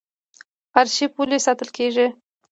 ارشیف ولې ساتل کیږي؟